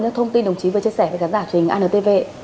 những thông tin đồng chí vừa chia sẻ với khán giả trình antv